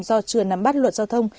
do trường nắm bắt luật giao thông